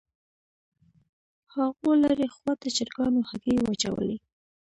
هاغو لرې خوا ته چرګانو هګۍ واچولې